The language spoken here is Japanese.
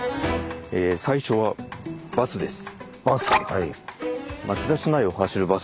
最初はバスです。